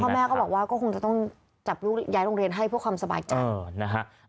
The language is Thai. แม่ก็บอกว่าก็คงจะต้องจับลูกย้ายโรงเรียนให้เพื่อความสบายใจนะฮะ